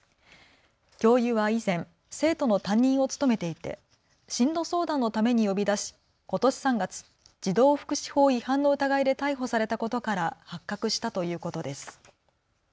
教諭は以前、生徒の担任を務めていて進路相談のために呼び出しことし３月、児童福祉法違反の疑いで逮捕されたことから発覚したということです。